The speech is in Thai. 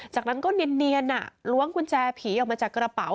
จากนั้นก็เนียนล้วงกุญแจผีออกมาจากกระเป๋า